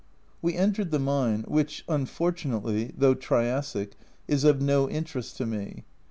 We entered the mine, which, unfortunately, though Triassic, is of no interest to me.